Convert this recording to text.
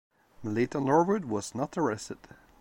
Melita Norwood was not arrested.